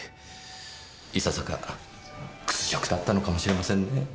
いささか屈辱だったのかもしれませんねぇ。